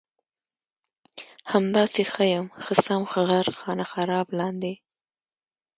همداسې ښه یم ښه سم غرق خانه خراب لاندې